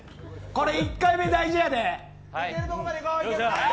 これ１回目大事やで。